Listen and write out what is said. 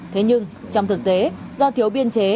thế nhưng trong thực tế do thiếu biên chế